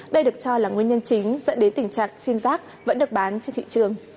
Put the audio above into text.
đây được cho là nguyên nhân chính dẫn đến tình trạng sim giác vẫn được bán trên thị trường